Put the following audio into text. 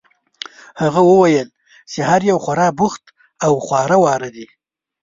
هغه وویل چې هر یو خورا بوخت او خواره واره دي.